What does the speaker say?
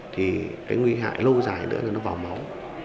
thì cái nguy hại lâu dài nữa là nó vào máu